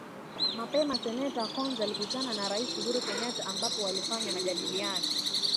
Mapema seneta Coons alikutana na rais Uhuru Kenyatta ambapo walifanya majadiliano